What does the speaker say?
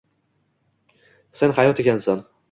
Sen hayot ekansan —